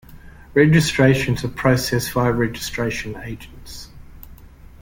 Registrations are processed via registration agents.